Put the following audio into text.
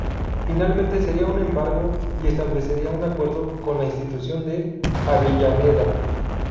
Finalmente sería un embargo y establecerían un acuerdo con la institución de Avellaneda.